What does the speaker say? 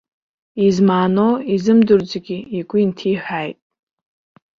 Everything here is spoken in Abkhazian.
Измааноу изымдырӡогьы игәы инҭиҳәааит.